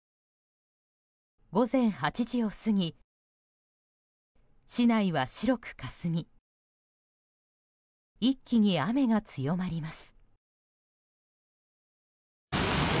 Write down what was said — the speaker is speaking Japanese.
午前８時を過ぎ市内は白くかすみ一気に雨が強まります。